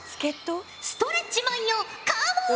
ストレッチマンよカモン！